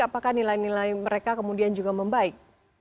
apakah nilai nilai mereka kemudian juga membaik